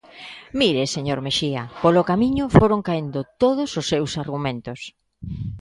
Mire, señor Mexía, polo camiño foron caendo todos os seus argumentos.